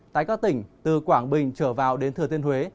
tại các tỉnh từ quảng bình trở vào đến thừa tiên huế